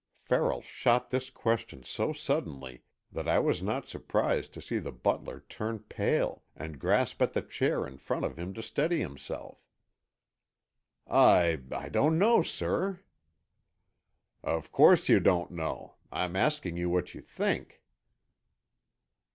Farrell shot this question so suddenly that I was not surprised to see the butler turn pale and grasp at the chair in front of him to steady himself. "I—I don't know, sir." "Of course you don't know. I'm asking you what you think."